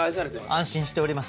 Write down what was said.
安心しております。